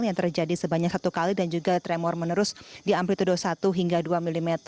yang terjadi sebanyak satu kali dan juga tremor menerus di amplitude satu hingga dua mm